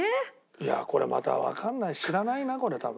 いやこれまたわかんない知らないなこれ多分。